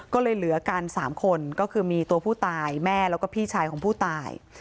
ก็เลยเหลือกัน๓คนก็คือมีตัวผู้ตายแม่แล้วก็พี่ชายของผู้ตาย